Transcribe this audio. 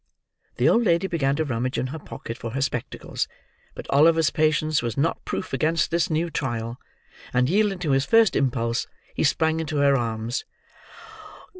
The old lady began to rummage in her pocket for her spectacles. But Oliver's patience was not proof against this new trial; and yielding to his first impulse, he sprang into her arms.